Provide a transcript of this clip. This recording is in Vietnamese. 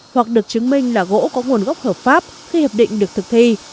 hoặc được chứng minh là gỗ có nguồn gốc hợp pháp khi hiệp định được thực thi